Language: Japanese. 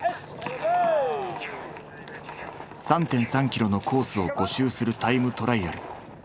３．３キロのコースを５周するタイムトライアル。